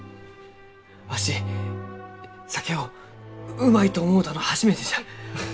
わし酒をうまいと思うたの初めてじゃ！